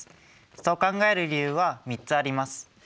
そう考える理由は３つあります。